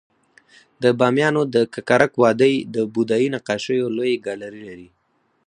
د بامیانو د ککرک وادی د بودایي نقاشیو لوی ګالري لري